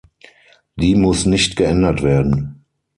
Die muss nicht geändert werden.